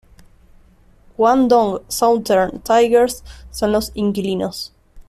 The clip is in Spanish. Guangdong Southern Tigers son los inquilinos.